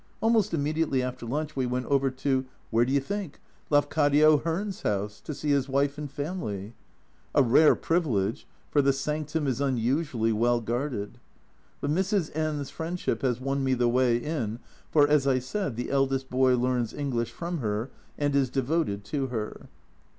Almost immediately after lunch we went over to Where do you think? Lafcadio A Journal from Japan 247 Hearn's house, to see his wife and family ! A rare privilege, for the sanctum is unusually well guarded. But Mrs. N J s friendship has won me the way in, for, as I said, the eldest boy learns English from her and is devoted to her.